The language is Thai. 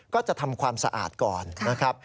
ก็จะทำความสะอาดก่อนนะครับ